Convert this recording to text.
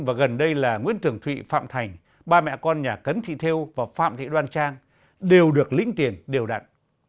và gần đây là nguyễn trường thụy phạm thành ba mẹ con nhà cấn thị theo và phạm thị đoan trang đều được lĩnh tiền đều đặn